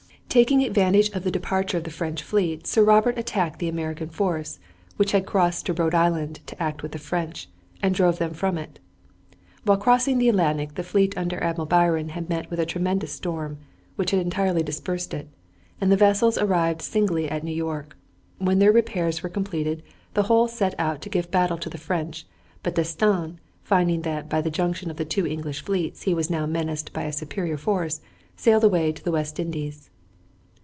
Taking advantage of the departure of the French fleet, Sir Robert attacked the American force, which had crossed to Rhode Island to act with the French, and drove them from it. While crossing the Atlantic the fleet under Admiral Byron had met with a tremendous storm, which had entirely dispersed it, and the vessels arrived singly at New York. When their repairs were completed the whole set out to give battle to the French, but D'Estaing, finding that by the junction of the two English fleets he was now menaced by a superior force, sailed away to the West Indies.